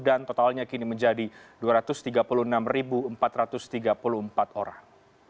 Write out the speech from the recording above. dan totalnya kini menjadi dua ratus tiga puluh enam empat ratus tiga puluh empat orang